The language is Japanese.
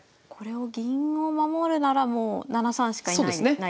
これを銀を守るならもう７三しかないですね。